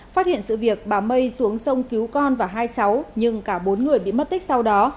phát hiện sự việc bà mây xuống sông cứu con và hai cháu nhưng cả bốn người bị mất tích sau đó